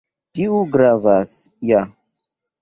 Tiu gravas ja